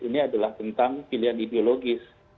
ini adalah tentang pilihan ideologis